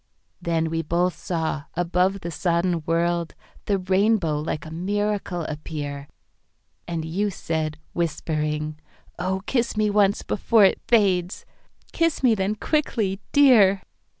Then we both saw, above the sodden world, The Rainbow like a miracle appear, And you said, whispering, "Oh, kiss me onceBefore it fades!"—"Kiss me then quickly, Dear!"